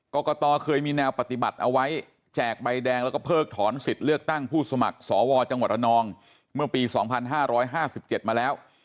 กรกตเคยมีแนวปฏิบัติเอาไว้แจกใบแดงแล้วก็เพิกถอนสิทธิ์เลือกตั้งผู้สมัครสวจังหวัดระนองเมื่อปี๒๕๕๗มาแล้ว